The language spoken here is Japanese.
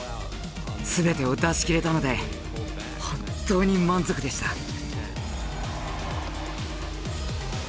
全てを出し切れたので本当に満足でした。